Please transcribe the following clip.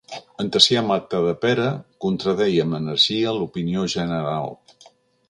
En Tacià Matadepera contradeia amb energia l'opinió general.